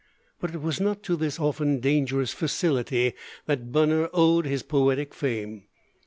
But it was not to this often dangerous facility that Bunner owed his poetic fame.